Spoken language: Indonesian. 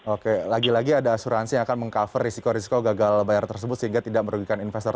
oke lagi lagi ada asuransi yang akan meng cover risiko risiko gagal bayar tersebut sehingga tidak merugikan investor